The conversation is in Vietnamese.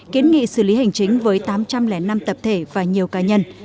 kiến nghị xử lý hành chính với tám trăm linh năm tập thể và nhiều cá nhân